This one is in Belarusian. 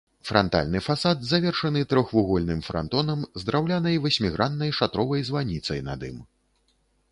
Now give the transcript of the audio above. Франтальны фасад завершаны трохвугольным франтонам з драўлянай васьміграннай шатровай званіцай над ім.